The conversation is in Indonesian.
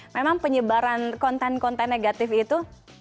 memang penyebaran konten konten negatif itu